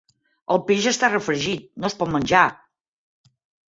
El peix està refregit: no es pot menjar!